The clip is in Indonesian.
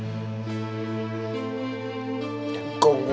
pulang sekarang juga mak